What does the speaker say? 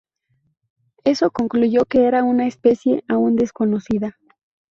Eso concluyó que era una especie aún desconocida.